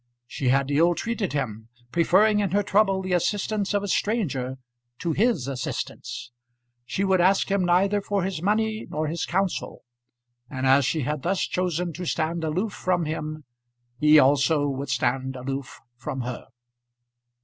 She had ill treated him, preferring in her trouble the assistance of a stranger to his assistance. She would ask him neither for his money nor his counsel, and as she had thus chosen to stand aloof from him, he also would stand aloof from her.